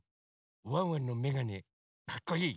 ワンワンのめがねかっこいい？